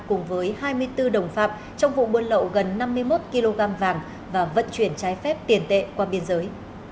cùng với hai mươi bốn đồng phạm trong vụ buôn lậu gần năm mươi một kg vàng và vận chuyển trái phép tiền tệ qua biên giới